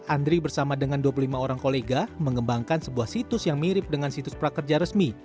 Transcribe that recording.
andri bersama dengan dua puluh lima orang kolega mengembangkan sebuah situs yang mirip dengan situs prakerja resmi